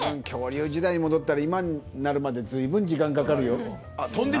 恐竜時代戻ったら今になるまでずいぶん時間かかるよ。